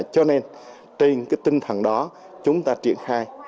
cho nên trên cái tinh thần đó chúng ta triển khai